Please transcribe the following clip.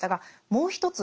もう一つ